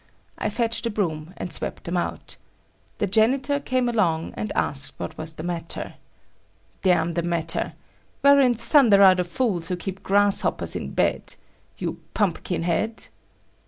I fetched a broom and swept them out. The janitor came along and asked what was the matter. "Damn the matter! Where in thunder are the fools who keep grasshoppers in bed! You pumpkinhead!"